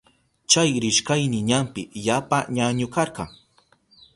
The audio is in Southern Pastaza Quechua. Chay rishkayni ñampi yapa ñañu karka.